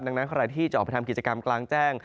ดังนั้นใครที่จะออกไปทำกิจกรรมกลางแจ้ง